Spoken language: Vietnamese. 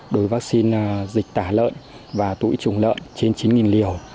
đối với vaccine dịch tả lợn và tụi trùng lợn trên chín liều